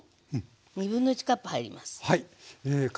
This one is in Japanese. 1/2カップ入ります。